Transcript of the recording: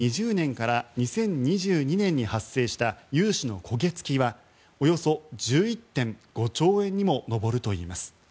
ロジウム・グループによりますと２０２０年から２０２２年に発生した融資の焦げ付きはおよそ１１．５兆円にも上るといいます。